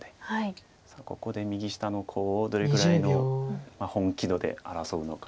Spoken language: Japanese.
ここで右下のコウをどれぐらいの本気度で争うのか。